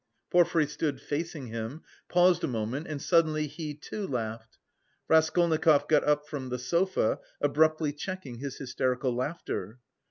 Porfiry stood facing him, paused a moment and suddenly he too laughed. Raskolnikov got up from the sofa, abruptly checking his hysterical laughter.